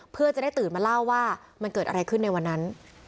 เพื่อจะได้ตื่นมาเล่าว่ามันเกิดอะไรขึ้นในวันนั้น